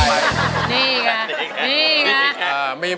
นี่ไงนี่ไง